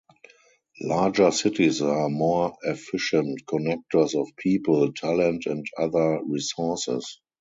Larger cities are more efficient connectors of people, talent and other resources.